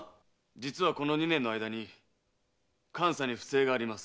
実はこの二年の間に監査に不正があります。